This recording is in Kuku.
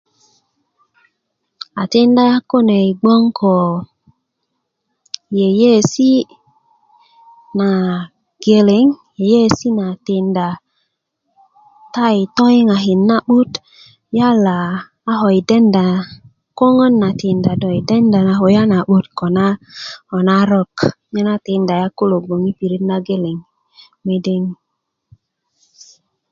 a tikinda yak kune yi gown ko yeyesi na geleŋ yeyesi na tinda ta yi toyiŋakin na bit yala a lo yi denda na koŋon na tinda do denda na kulya ma'but ko narok nyena tinda yak kulo yi gwon yi pirit na geleŋ medeni